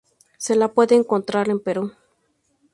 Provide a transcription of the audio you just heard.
Se la puede encontrar en Perú.